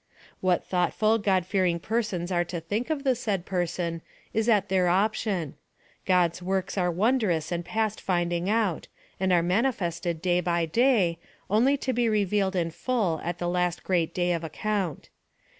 "What thoughtful, God fearing persons are to think of the said person, is at their option. God's works are wondrous and past finding out, and are manifested day by day, only to be revealed in full at the last great day of account.